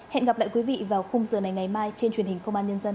hẹn gặp lại quý vị vào khung giờ này ngày mai trên truyền hình công an nhân dân